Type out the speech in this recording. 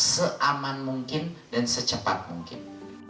seaman mungkin dan secepat mungkin